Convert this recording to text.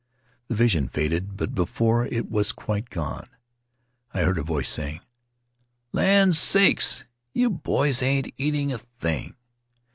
The vision faded, but before it was quite gone I heard a voice saying: "Land sakes! You boys ain't eating a thing!